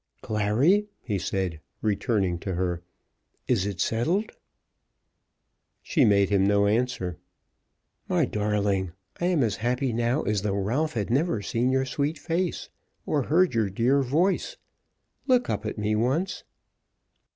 "Clary," he said, returning to her, "it is settled?" She made him no answer. "My darling, I am as happy now as though Ralph had never seen your sweet face, or heard your dear voice. Look up at me once."